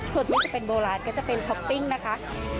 ส่วนที่จะเป็นโบราณก็จะเป็นท็อปปิ้งนะคะ